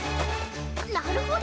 なるほど！